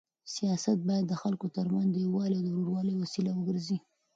سیاست باید د خلکو تر منځ د یووالي او ورورولۍ وسیله وګرځي.